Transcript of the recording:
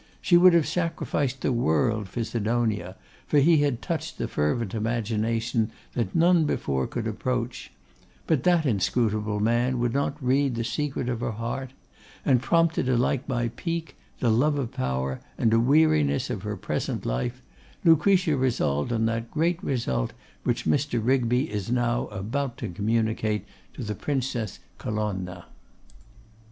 She would have sacrificed the world for Sidonia, for he had touched the fervent imagination that none before could approach; but that inscrutable man would not read the secret of her heart; and prompted alike by pique, the love of power, and a weariness of her present life, Lucretia resolved on that great result which Mr. Rigby is now about to communicate to the Princess Colonna.